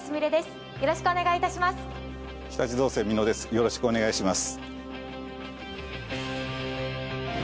よろしくお願いします。